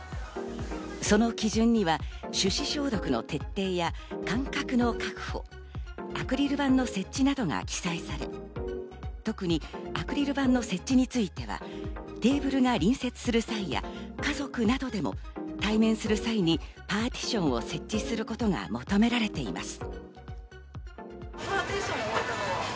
その基準には手指消毒の徹底や間隔の確保、アクリル板の設置などが記載され、特にアクリル板の設置については、テーブルが隣接する際や家族などでも対面する際にパーティションを設置することが求められています。